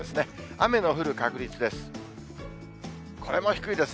雨の降る確率です。